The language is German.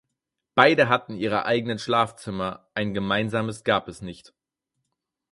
Beide hatten ihre eigenen Schlafzimmer, ein gemeinsames gab es nicht.